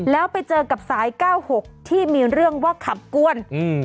แล้วไปเจอกับสาย๙๖ที่มีเรื่องว่าขับกวน